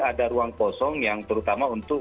ada ruang kosong yang terutama untuk